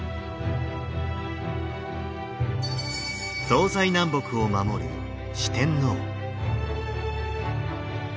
東西南北を守る四天王。